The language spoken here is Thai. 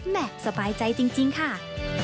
แหม่สบายใจจริงค่ะ